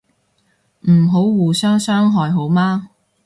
唔好互相傷害好嗎